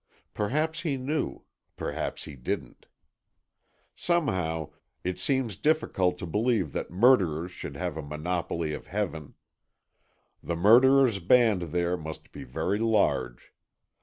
Perhaps he knew, perhaps he didn't. Somehow, it seems difficult to believe that murderers should have a monopoly of heaven. The murderers' band there must be very large.